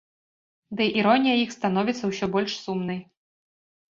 Дый іронія іх становіцца ўсё больш сумнай.